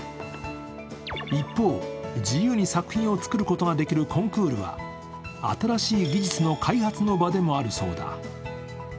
一方、自由に作品を作ることができるコンクールは新しい技術の開発の場でもあるそうだ。